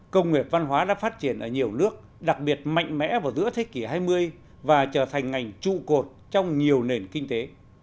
công nghiệp văn hóa đã phát triển ở nhiều nước đặc biệt mạnh mẽ vào giữa thế kỷ hai mươi và trở thành ngành trụ cột trong nhiều nền kinh tế